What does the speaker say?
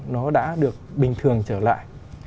nó đã được bình thường trở lại